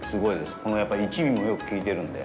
この一味もよく効いてるんで。